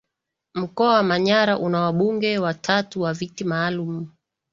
Mkoa wa Manyara una wabunge watatu wa Viti Maalum